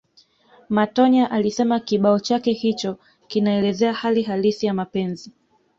Matonya alisema kibao chake hicho kinaelezea hali halisi ya mapenzi